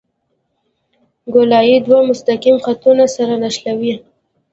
ګولایي دوه مستقیم خطونه سره نښلوي